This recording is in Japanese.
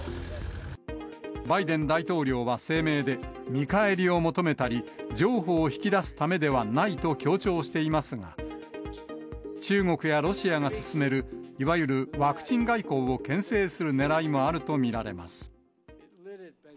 バイデン大統領は声明で、見返りを求めたり、譲歩を引き出すためではないと強調していますが、中国やロシアが進めるいわゆるワクチン外交をけん制するねらいもあると見られます。